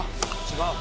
違う？